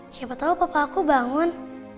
siapa tau papa aku bangun